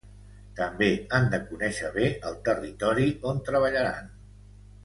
També han de conèixer bé el territori on treballaran.